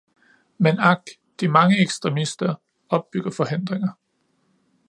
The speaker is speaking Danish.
Men ak, de mange ekstremister opbygger forhindringer.